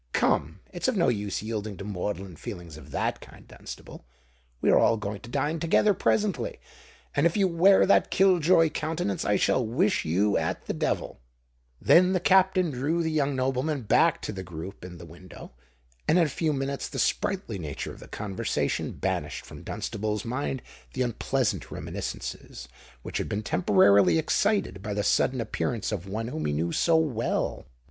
"Come—it's of no use yielding to maudlin feelings of that kind, Dunstable. We are all going to dine together presently: and if you wear that kill joy countenance, I shall wish you at the devil." Then the Captain drew the young nobleman back to the group in the window; and in a few minutes the sprightly nature of the conversation banished from Dunstable's mind the unpleasant reminiscences which had been temporarily excited by the sudden appearance of one whom he knew so well!